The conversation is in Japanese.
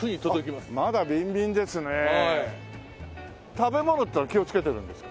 食べ物っていうのは気をつけてるんですか？